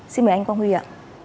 xin mời anh quang huy ạ